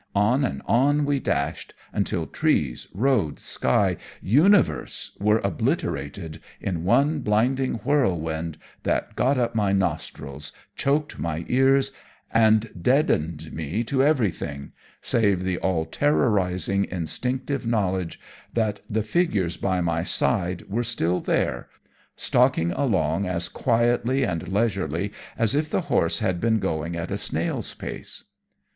On and on we dashed, until trees, road, sky, universe were obliterated in one blinding whirlwind that got up my nostrils, choked my ears, and deadened me to everything, save the all terrorizing, instinctive knowledge, that the figures by my side, were still there, stalking along as quietly and leisurely as if the horse had been going at a snail's pace.